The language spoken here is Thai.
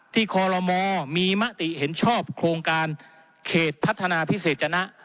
คอลโลมมีมติเห็นชอบโครงการเขตพัฒนาพิเศษจนะ